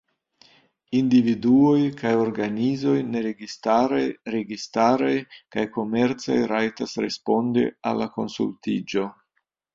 Individuoj kaj organizoj neregistaraj, registaraj kaj komercaj rajtas respondi al la konsultiĝo.